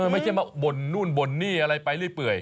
ไม่ใช่บ่นนู่นบนนี่อะไรไปเลยเปื่อย